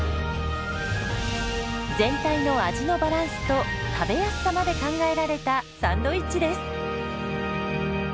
全体の味のバランスと食べやすさまで考えられたサンドイッチです。